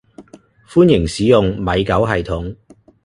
歡迎使用米狗系統